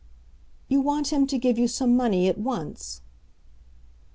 "You want him to give you some money at once."